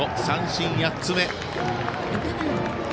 三振８つ目。